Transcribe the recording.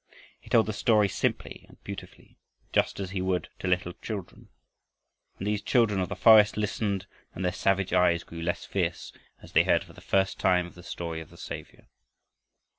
He told the story simply and beautifully, just as he would to little children, and these children of the forest listened and their savage eyes grew less fierce as they heard for the first time of the story of the Savior.